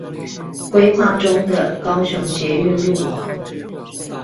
規劃中的高雄捷運路網